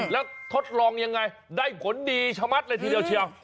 แล้วทดลองยังไงได้ผลดีชะมัดเลยทีเดียวเชียว